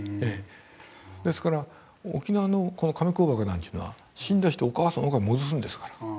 ですから沖縄の亀甲墓なんていうのは死んだ人をお母さんのおなかへ戻すんですから。